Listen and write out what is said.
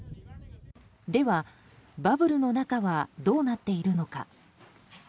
では、バブルの中はどうなっているのか。